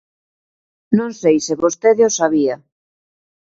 Non sei se vostede o sabía.